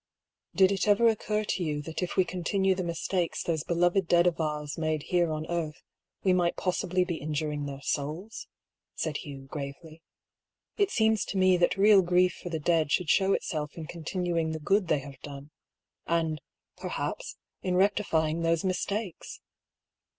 " Did it ever occur to you — that if we continue the mistakes those beloved dead of ours made here on earth, we might possibly be injuring their souls?" said Hugh, gravely. "It seems to me that real grief for the dead should show itself in continuing the good they have done — and, perhaps, in rectifying those mistakes."